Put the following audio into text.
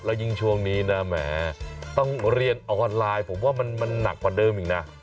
แล้วยิ่งช่วงนี้นะแหมต้องเรียนออนไลน์ผมว่ามันหนักกว่าเดิมอีกนะ